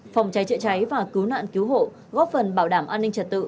phòng cháy chữa cháy và cứu nạn cứu hộ góp phần bảo đảm an ninh trật tự